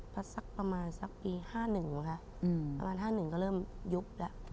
พอสักประมาณสักปี๕๑มั้งคะประมาณ๕๑ก็เริ่มยุบแล้ว